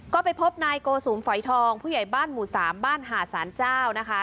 ก็ไปพบนายโกสุมฝอยทองผู้ใหญ่บ้านหมู่๓บ้านหาดสารเจ้านะคะ